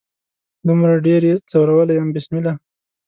دومره ډیر يې ځورولي يم بسمله